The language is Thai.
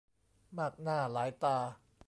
มากหน้าหลายตา